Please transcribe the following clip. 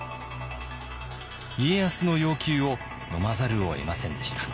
家康の要求をのまざるをえませんでした。